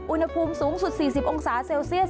อุณหภูมิสูงสุด๔๐องศาเซลเซียส